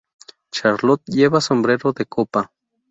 Charlot lleva sombrero de copa.